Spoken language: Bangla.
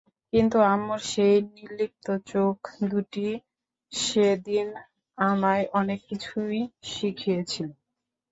কিন্তু আম্মুর সেই নির্লিপ্ত চোখ দুটি সেদিন আমায় অনেক কিছুই শিখিয়েছিল।